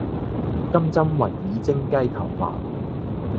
金針雲耳蒸雞球飯